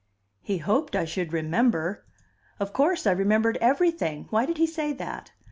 He hoped I should remember! Of course I remembered everything; why did he say that?